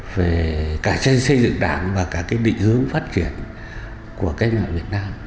về cả trên xây dựng đảng và cả cái định hướng phát triển của cách mạng việt nam